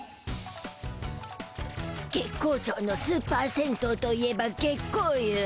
月光町のスーパー銭湯といえば月光湯。